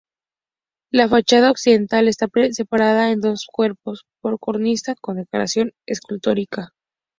La fachada occidental está separada en dos cuerpos por una cornisa con decoración escultórica.